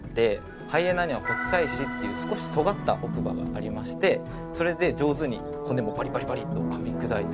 ハイエナには骨砕歯っていう少し尖った奥歯がありましてそれで上手に骨もバリバリバリっとかみ砕いて食べてる。